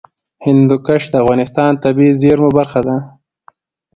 هندوکش د افغانستان د طبیعي زیرمو برخه ده.